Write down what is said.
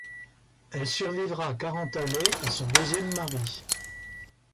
Elle survivra quarante années à son deuxième mari.